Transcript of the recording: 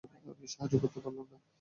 আমি সাহায্য করতে পারলাম না।